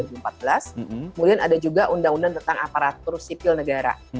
kemudian ada juga undang undang tentang aparatur sipil negara